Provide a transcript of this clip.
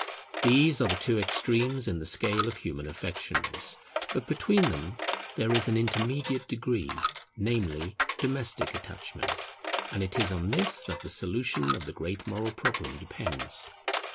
These are the two extremes in the scale of human affections; but between them there is an intermediate degree, namely, domestic attachment, and it is on this that the solution of the great moral problem depends.